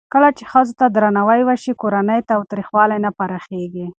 کله چې ښځو ته درناوی وشي، کورنی تاوتریخوالی نه پراخېږي.